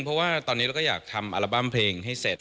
เพราะว่าตอนนี้เราก็อยากทำอัลบั้มเพลงให้เสร็จ